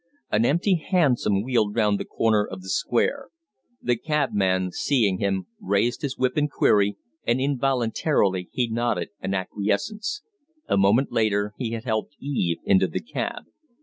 An empty hansom wheeled round the corner of the square; the cabman, seeing him, raised his whip in query, and involuntarily he nodded an acquiescence. A moment later he had helped Eve into the cab.